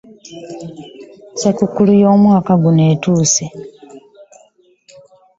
Ssekukulu yo mwoka guno etuuse.